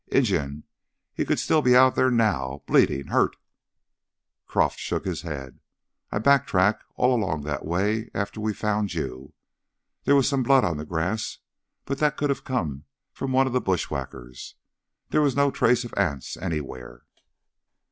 Injun, he could still be out there now ... bleedin' hurt...." Croff shook his head. "I backtracked all along that way after we found you. There was some blood on the grass, but that could have come from one of the bushwhackers. There was no trace of Anse, anywhere."